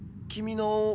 君の。